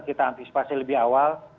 kita antisipasi lebih awal